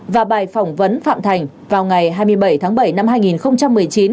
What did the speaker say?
và bài phỏng vấn phạm thành vào ngày hai mươi bảy tháng bảy năm hai nghìn một mươi chín